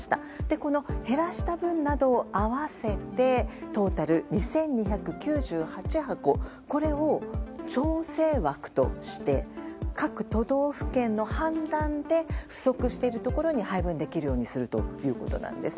この減らした分などを合わせてトータル２２９８箱これを調整枠として各都道府県の判断で不足しているところに配分できるようにするということなんです。